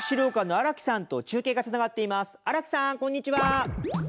荒木さんどうもこんにちは。